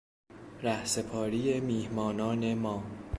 رهسپاری میهمانان ما